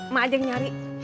mak ajang nyari